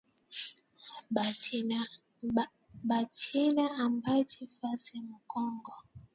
Ba china abaachi fasi mu kongo